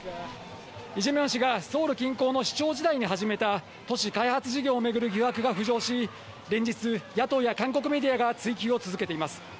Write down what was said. イ・ジェミョン氏が、ソウル近郊の市長時代に始めた、都市開発事業を巡る疑惑が浮上し、連日、野党や韓国メディアが追及を続けています。